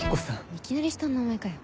いきなり下の名前かよ。